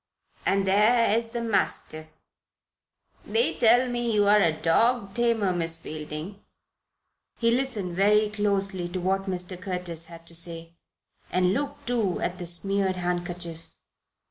"And there is the mastiff. They tell me you are a dog tamer, Miss Fielding." He listened very closely to what Mr. Curtis had to say, and looked, too, at the smeared handkerchief.